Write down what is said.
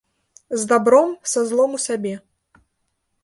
З дабром, са злом у сабе.